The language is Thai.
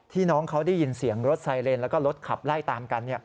น้องเขาได้ยินเสียงรถไซเรนแล้วก็รถขับไล่ตามกัน